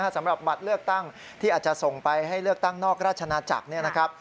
สำหรับบัตรเลือกตั้งที่อาจจะส่งไปให้เลือกตั้งนอกราชนาจักรเนี่ยนะครับ